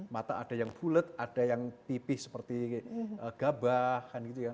mata ada yang bulet ada yang tipis seperti gabah